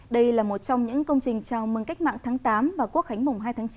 đây là một trong những công trình chào mừng cách mạng tháng tám và quốc khánh mùng hai tháng chín